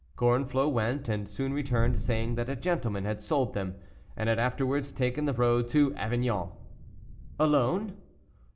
Gorenflot went, and soon returned, saying that a gentleman had sold them, and had afterwards taken the road to Avignon. "Alone?"